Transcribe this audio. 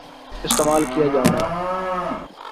استعمال کیا جارہا ہے ۔